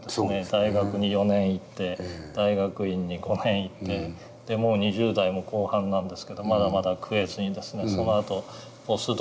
大学に４年行って大学院に５年行ってでもう２０代も後半なんですけどまだまだ食えずにですね